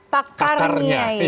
pakarnya pakarnya ya